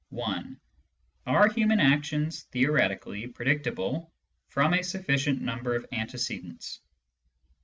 (i) Are human actions theoretically predictable from a sufficient number of antecedents